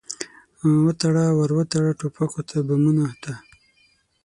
وتړه، ور وتړه ټوپکو ته، بمونو ته